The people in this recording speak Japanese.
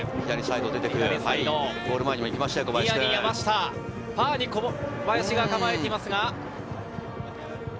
ニアに山下、ファーに小林が構えていますが。